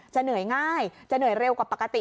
เหนื่อยง่ายจะเหนื่อยเร็วกว่าปกติ